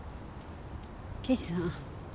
刑事さん